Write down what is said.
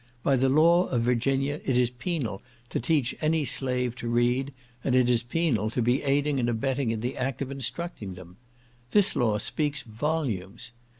By the law of Virginia it is penal to teach any slave to read, and it is penal to be aiding and abetting in the act of instructing them. This law speaks volumes.